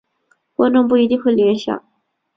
观众不一定会联想。